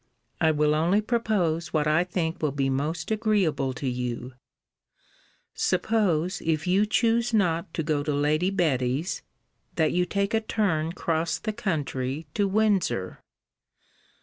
] I will only propose what I think will be most agreeable to you suppose, if you choose not to go to Lady Betty's, that you take a turn cross the country to Windsor?